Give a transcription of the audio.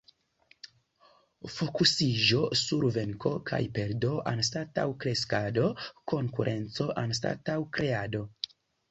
Fokusiĝo sur venko kaj perdo, anstataŭ kreskado; konkurenco anstataŭ kreado.